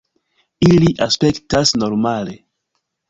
Ili aspektas normale.